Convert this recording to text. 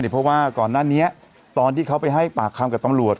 เพราะว่าก่อนหน้านี้ตอนที่เขาไปให้ปากคำกับตำรวจ